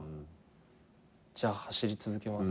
じゃあ走り続けます。